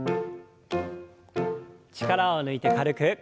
力を抜いて軽く。